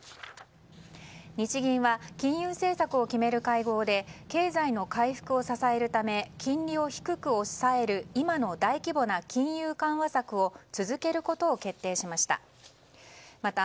日銀は金融政策を決める会合で経済の回復を支えるため金利を低く抑える今の大規模な金融緩和策を続けることを決定しました。